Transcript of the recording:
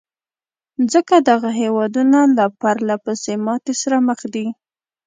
ځکه دغه هېوادونه له پرلهپسې ماتې سره مخ دي.